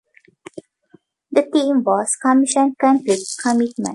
The theme was Commission-Conflict-Commitment.